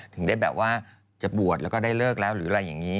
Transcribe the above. ถึงได้แบบว่าจะบวชแล้วก็ได้เลิกแล้วหรืออะไรอย่างนี้